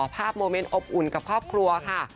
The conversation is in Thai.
โมเมนต์อบอุ่นกับครอบครัวค่ะ